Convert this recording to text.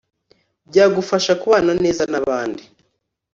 byagufasha kubana neza n abandi